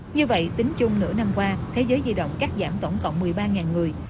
như vậy tính chung nửa năm qua thế giới di động cắt giảm tổng cộng một mươi ba người